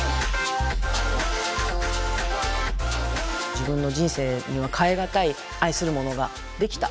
自分の人生には代え難い愛するものができた。